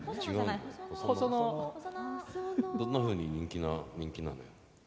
どんなふうに人気なのよ。